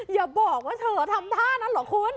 อย่าบอกว่าเธอทำท่านั้นเหรอคุณ